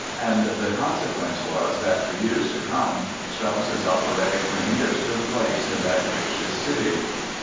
And the consequence was that for years to come Strauss's operatic premieres took place in that gracious city.